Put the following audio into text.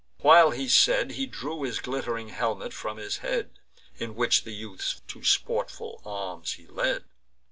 While he said, He drew his glitt'ring helmet from his head, In which the youths to sportful arms he led.